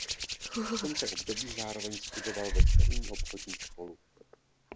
V tomto období zároveň studoval večerní obchodní školu.